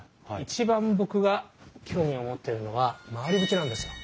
一番僕が興味を持ってるのは廻り縁なんですよ。